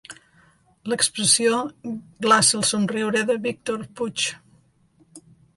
L'expressió glaça el somriure de Víctor Puig.